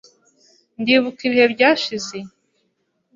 Ndibuka ibihe byashize.